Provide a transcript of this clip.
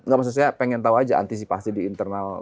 gak maksudnya pengen tau aja antisipasi di internal